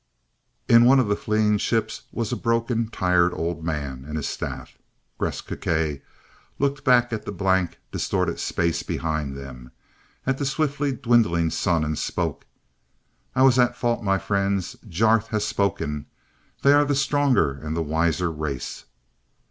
In one of the fleeing ships was a broken, tired old man, and his staff. Gresth Gkae looked back at the blank, distorted space behind them, at the swiftly dwindling sun, and spoke. "I was at fault, my friends. Jarth has spoken. They are the stronger and the wiser race.